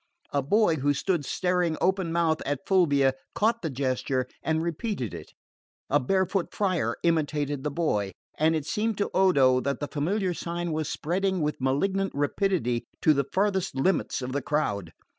A boy who stood staring open mouthed at Fulvia caught the gesture and repeated it; a barefoot friar imitated the boy, and it seemed to Odo that the familiar sign was spreading with malignant rapidity to the furthest limits of the crowd.